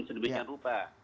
sedikit yang rupa